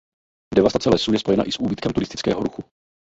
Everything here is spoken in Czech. Devastace lesů je spojena i s úbytkem turistického ruchu.